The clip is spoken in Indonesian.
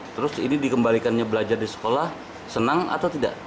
terus ini dikembalikannya belajar di sekolah senang atau tidak